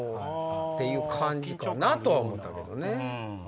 という感じかなとは思ったけどね。